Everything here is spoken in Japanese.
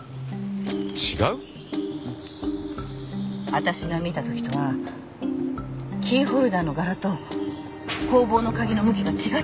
私が見たときとはキーホルダーの柄と工房の鍵の向きが違ってたの。